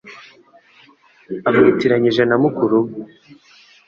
amwitiranije na mukuru we.